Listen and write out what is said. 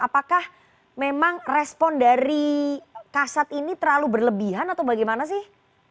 apakah memang respon dari kasat ini terlalu berlebihan atau bagaimana sih